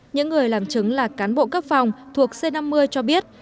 những người làm chứng là cán bộ cấp phòng thuộc c năm mươi cho biết